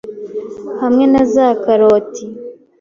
hamwe na za karoti